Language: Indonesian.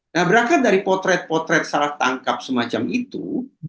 nah berangkat dari potret potret salah tangkap semacam itu